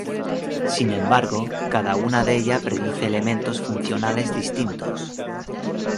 Sin embargo, cada una de ella predice elementos funcionales distintos.